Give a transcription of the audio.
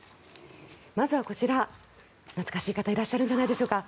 まずはこちら、懐かしい方いらっしゃるんじゃないでしょうか。